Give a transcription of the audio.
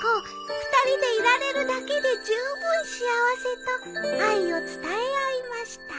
「『２人でいられるだけでじゅうぶん幸せ』と愛を伝え合いました。